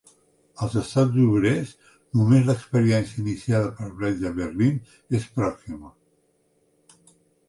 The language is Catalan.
Als Estats obrers només l'experiència iniciada per Brecht a Berlín és pròxima.